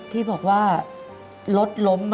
ที่บอกว่ารถล้ม